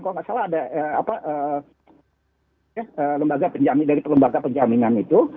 kalau nggak salah ada lembaga penjamin dari lembaga penjaminan itu